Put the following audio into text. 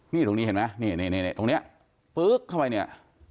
นี่ตรงนี้เห็นไหมนี่นี่นี่นี่ตรงเนี้ยปึ๊กเข้าไปเนี้ย